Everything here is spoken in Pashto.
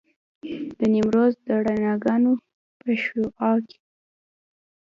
د نیمروز د رڼاګانو په شعاع کې.